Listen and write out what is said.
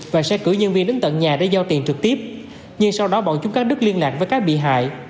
và sẽ cử nhân viên đến tận nhà để giao tiền trực tiếp nhưng sau đó bọn chúng cắt đứt liên lạc với các bị hại